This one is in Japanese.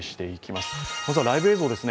まずは、ライブ映像です。